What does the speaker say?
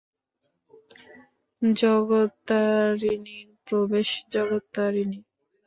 জগত্তারিণীর প্রবেশ জগত্তারিণী।